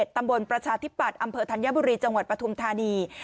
ตำบลประชาธิบัติอำเภอธัญบุรีจังหวัดประธุมธานี